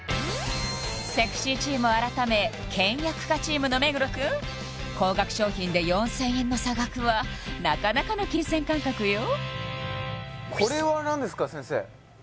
セクシーチーム改め倹約家チームの目黒くん高額商品で４０００円の差額はなかなかの金銭感覚よ先生！？